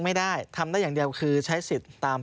ว่ามีไม่มีซึ่งคุณคิดว่ามีหรือไม่มีนะธนาย